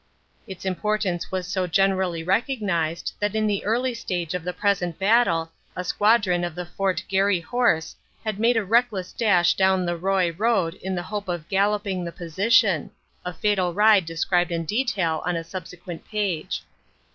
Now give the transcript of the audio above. Its importance was so generally recognized that in the early stage of the present battle a squadron of the Fort. Garry Horse had made a reckless dash down the Roye road in the hope of galloping the position a fatal ride described in detail on a subsequent page.